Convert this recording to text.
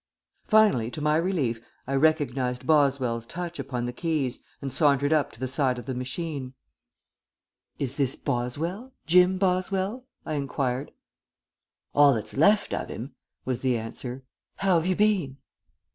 Finally, to my relief, I recognized Boswell's touch upon the keys and sauntered up to the side of the machine. "Is this Boswell Jim Boswell?" I inquired. "All that's left of him," was the answer. "How have you been?"